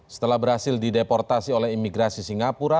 setelah berhasil dideportasi oleh imigrasi singapura